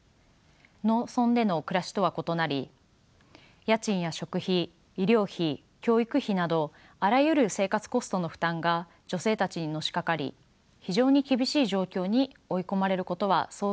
農村での暮らしとは異なり家賃や食費医療費教育費などあらゆる生活コストの負担が女性たちにのしかかり非常に厳しい状況に追い込まれることは想像に難くありません。